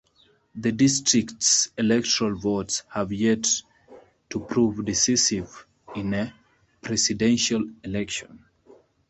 The District's electoral votes have yet to prove decisive in a presidential election.